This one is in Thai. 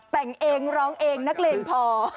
แต่งเองร้องเองนักเลงพอ